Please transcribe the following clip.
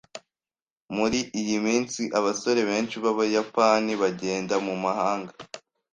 Muri iyi minsi, abasore benshi b'Abayapani bagenda mu mahanga.